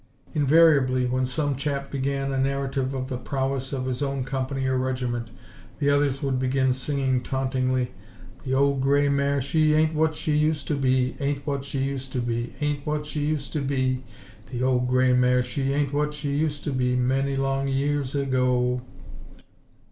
Invariably, when some chap began a narrative of the prowess of his own company or regiment, the others would begin singing, tauntingly: "The old grey mare she ain't what she used to be, She ain't what she used to be, Ain't what she used to be. The old grey mare she ain't what she used to be Many years ago...."